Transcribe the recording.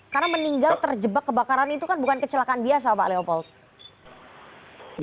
karena meninggal terjebak kebakaran itu kan bukan kecelakaan biasa pak leopold